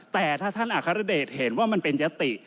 แต่ถ้าท่านอัครเดชเห็นว่ามันเป็นยติ